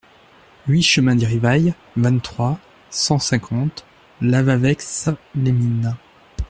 huit chemin des Rivailles, vingt-trois, cent cinquante, Lavaveix-les-Mines